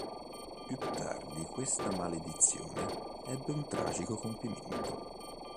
Più tardi questa maledizione ebbe un tragico compimento.